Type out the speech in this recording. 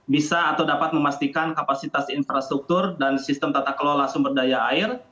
bisa atau dapat memastikan kapasitas infrastruktur dan sistem tata kelola sumber daya air